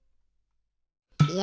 いや。